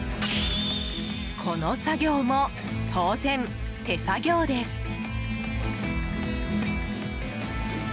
この作業も当然、手作業です。